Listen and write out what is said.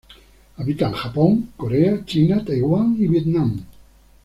Habita en Japón, Corea, China, Taiwán y Vietnam.